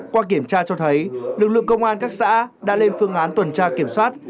qua kiểm tra cho thấy lực lượng công an các xã đã lên phương án tuần tra kiểm soát